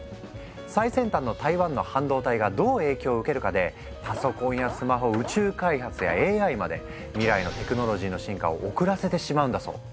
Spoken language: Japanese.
最先端の台湾の半導体がどう影響を受けるかでパソコンやスマホ宇宙開発やＡＩまで未来のテクノロジーの進化を遅らせてしまうんだそう。